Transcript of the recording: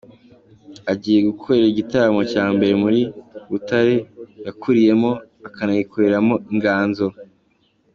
Agiye gukorera igitaramo cya mbere muri Butare yakuriyemo, akanayikomoramo inganzo.